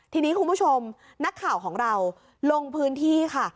ทีนี้คุณผู้ชมนักข่าวของเราลงพื้นที่ค่ะ